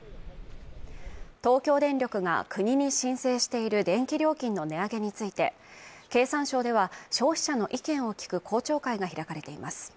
東京電力な国に申請している電気料金の値上げについて、経産省では消費者の意見を聞く公聴会が開かれています。